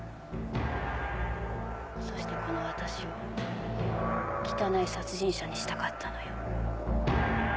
そしてこの私を汚い殺人者にしたかったのよ。